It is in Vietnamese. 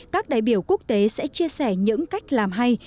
các đại biểu quốc tế sẽ chia sẻ những cách làm hay